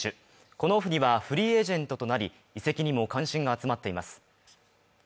このオフにはフリーエージェントとなり移籍にも関心が集まっています。